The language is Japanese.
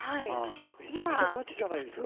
めちゃくちゃガチじゃないですか。